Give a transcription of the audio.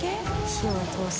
火を通す。